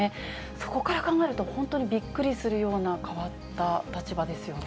そこから考えると、本当にびっくりするような変わった立場ですよね。